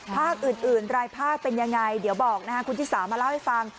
ภาคอื่นรายภาคเป็นยังไงเดี๋ยวบอกนะครับคุณชิสามาเล่าให้ฟัง